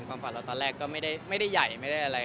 ความฝันเราตอนแรกก็ไม่ได้ใหญ่ไม่ได้อะไร